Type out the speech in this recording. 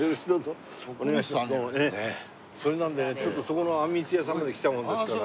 それなのでちょっとそこのあんみつ屋さんまで来たものですから。